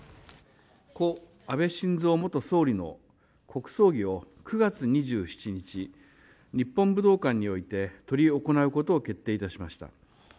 故・安倍晋三元総理の国葬儀を９月２７日、日本武道館において執り行うことを決定いたしました。